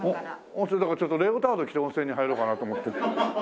温泉だからちょっとレオタード着て温泉に入ろうかなと思って。